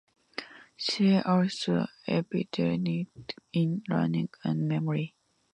See also Epigenetics in learning and memory.